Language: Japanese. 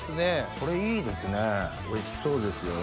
これいいですねぇおいしそうですよ。